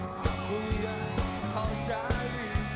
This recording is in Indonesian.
aku yang kau cari